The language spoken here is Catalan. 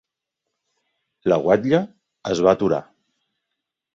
La guatlla es va aturar.